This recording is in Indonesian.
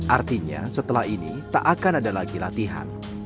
artinya setelah ini tak akan ada lagi latihan